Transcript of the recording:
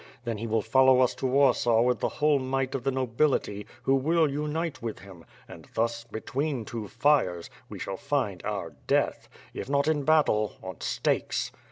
Then he will fol low us to Warsaw with the whole might of the nobility, who will uaite with him, and thus, between two fires, we shall find our death; if not in battle, on stakes.